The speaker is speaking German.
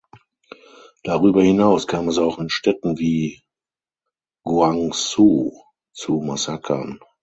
Darüber hinaus kam es auch in Städten wie Guangzhou zu Massakern.